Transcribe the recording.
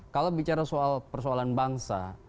kalau bicara soal persoalan bangsa